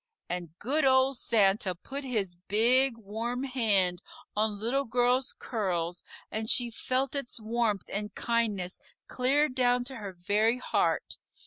and good old Santa put his big warm hand on Little Girl's curls and she felt its warmth and kindness clear down to her very heart.